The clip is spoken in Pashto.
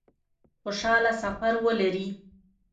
خوشحاله سفر ولري